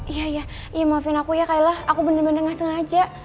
iya iya maafin aku ya kak ella aku bener bener gak sengaja